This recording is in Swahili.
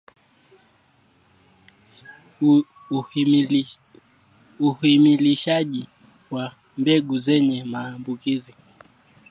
Uhimilishaji wa mbegu zenye maambukizi